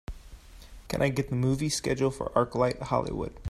Can I get the movie schedule for ArcLight Hollywood